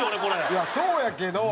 いやそうやけど。